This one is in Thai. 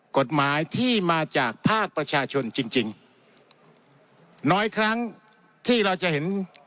กฎหมายที่มาจากภาคประชาชนจริงจริงน้อยครั้งที่เราจะเห็น